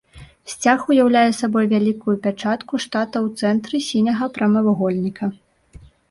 Сцяг уяўляе сабой вялікую пячатку штата ў цэнтры сіняга прамавугольніка.